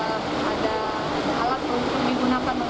ada alat untuk digunakan